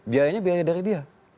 biayanya biayanya dari dia